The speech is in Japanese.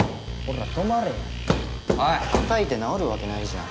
たたいて直るわけないじゃん。